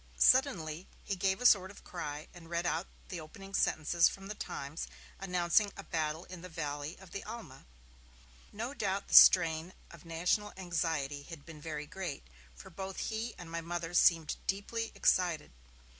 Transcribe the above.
Suddenly, he gave a sort of cry, and read out the opening sentences from The Times announcing a battle in the valley of the Alma. No doubt the strain of national anxiety had been very great, for both he and my Mother seemed deeply excited.